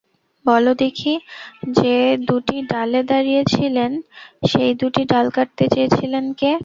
বলো দেখি যে-দুটি ডালে দাঁড়িয়েছিলেন সেই দুটি ডাল কাটতে চেয়েছিলেন কে?